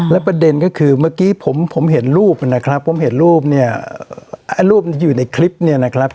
และประเด็นก็คือเมื่อกี้ผมผมเห็นรูปนะครับผมเห็นรูปเนี่ยไอ้รูปที่อยู่ในคลิปเนี่ยนะครับ